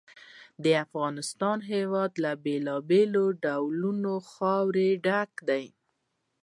د افغانستان هېواد له بېلابېلو ډولونو خاوره ډک دی.